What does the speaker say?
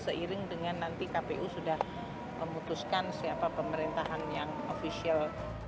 seiring dengan nanti kpu sudah memutuskan siapa pemerintahan yang ofisial